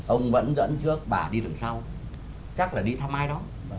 ông vẫn dẫn trước bà đi đựng sau chắc là đi thăm ai đó